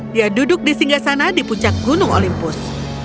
dia duduk di singgah sana di puncak gunung olimpis